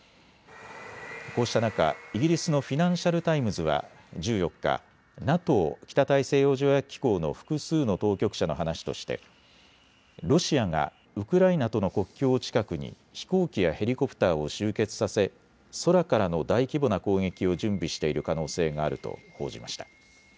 こうした中、イギリスのフィナンシャル・タイムズは１４日、ＮＡＴＯ・北大西洋条約機構の複数の当局者の話としてロシアがウクライナとの国境近くに飛行機やヘリコプターを集結させ空からの大規模な攻撃を準備している可能性があると報じました。